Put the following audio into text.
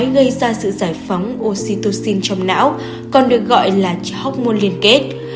gây ra sự giải phóng oxytocin trong não còn được gọi là hormôn liên kết